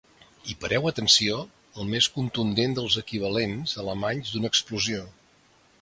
I pareu atenció al més contundent dels equivalents alemanys d'una explosió.